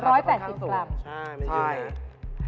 ใช่มีราคาสูงค่อนข้างสุด